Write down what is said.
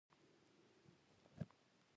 شیخ عمر په مایک کې لارښوونې کولې.